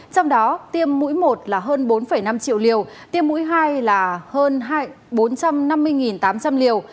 trong đó tiêm mũi một là hơn bốn năm triệu liều tiêm mũi hai là hơn bốn trăm năm mươi tám trăm linh liều